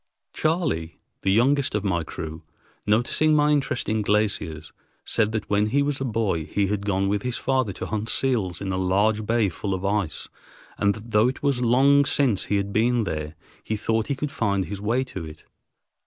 Charley, the youngest of my crew, noticing my interest in glaciers, said that when he was a boy he had gone with his father to hunt seals in a large bay full of ice, and that though it was long since he had been there, he thought he could find his way to it.